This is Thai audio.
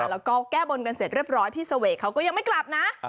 แล้วก็แก้บนกันเสร็จเรียบร้อยพี่เสวกเขาก็ยังไม่กลับนะ